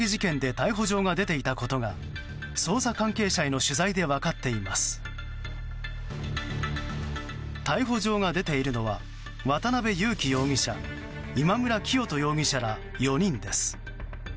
逮捕状が出ているのは渡邉優樹容疑者今村磨人容疑者ら４人です。